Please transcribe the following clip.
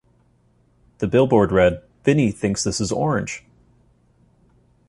The billboard read: Vinny thinks this is orange!